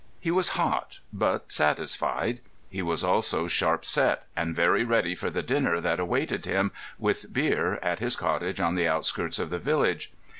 He was hot, but satisfied. He was also sharp set, and very ready for the dinner that awaited him, with beer, at his cottage on the outskirts of the village.